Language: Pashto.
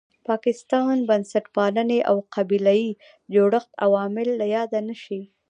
پاکستان، بنسټپالنې او قبیله یي جوړښت عوامل له یاده نه شي.